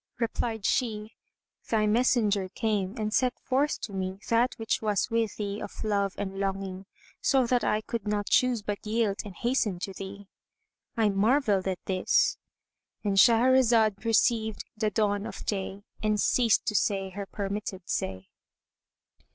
Replied she, "Thy messenger came and set forth to me that which was with thee of love and longing, so that I could not choose but yield and hasten to thee." I marvelled at this——And Shahrazad perceived the dawn of day and ceased to say her permitted say.